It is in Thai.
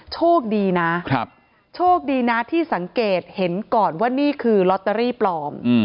โชคดีนะโชคดีนะที่สังเกตเห็นก่อนว่านี่คือลอตเตอรี่ปลอม